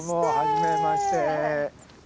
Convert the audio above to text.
はじめまして。